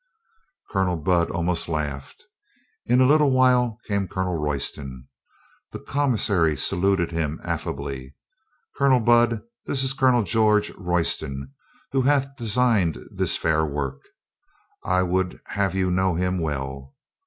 ^ Colonel Budd almost laughed. In a little while came Colonel Royston. The commissary saluted him affably. "Colonel Budd, this is Colonel George Royston, who hath designed this fair work. I would have you know him well."